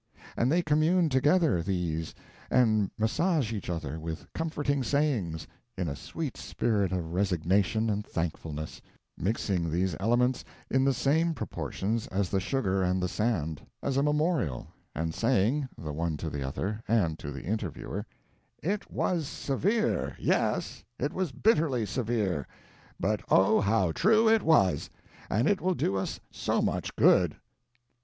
And they commune together, these, and massage each other with comforting sayings, in a sweet spirit of resignation and thankfulness, mixing these elements in the same proportions as the sugar and the sand, as a memorial, and saying, the one to the other, and to the interviewer: "It was severe yes, it was bitterly severe; but oh, how true it was; and it will do us so much good!"